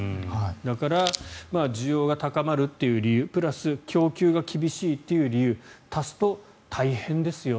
だから需要が高まる理由プラス供給が厳しいという理由を足すと、大変ですよ。